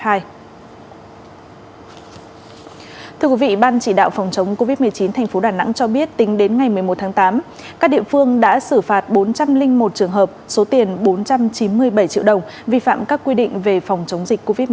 thưa quý vị ban chỉ đạo phòng chống covid một mươi chín tp đà nẵng cho biết tính đến ngày một mươi một tháng tám các địa phương đã xử phạt bốn trăm linh một trường hợp số tiền bốn trăm chín mươi bảy triệu đồng vi phạm các quy định về phòng chống dịch covid một mươi chín